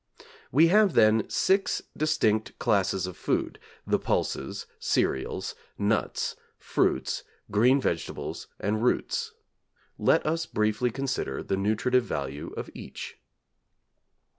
We have, then, six distinct classes of food the pulses, cereals, nuts, fruits, green vegetables, and roots. Let us briefly consider the nutritive value of each.